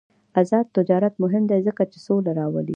آزاد تجارت مهم دی ځکه چې سوله راولي.